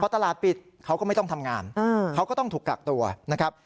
ตลาดปิดเขาก็ไม่ต้องทำงานเขาก็ต้องถูกกักตัวนะครับ